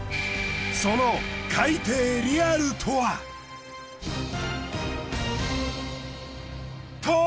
その海底リアルとは？と！